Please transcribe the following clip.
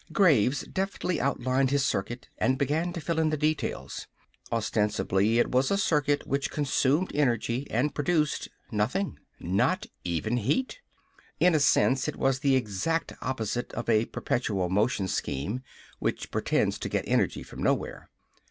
Graves deftly outlined his circuit and began to fill in the details. Ostensibly, it was a circuit which consumed energy and produced nothing not even heat. In a sense it was the exact opposite of a perpetual motion scheme, which pretends to get energy from nowhere.